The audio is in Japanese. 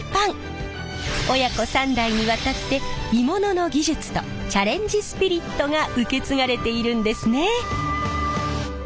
親子３代にわたって鋳物の技術とチャレンジスピリットが受け継がれているんですね！